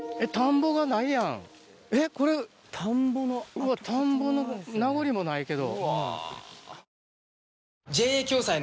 うわ田んぼの名残もないけど。